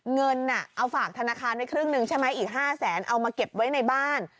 เงินเอาฝากธนาคารไว้ครึ่งหนึ่งใช่ไหมอีก๕แสนเอามาเก็บไว้ในบ้าน